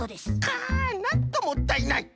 あなんともったいない！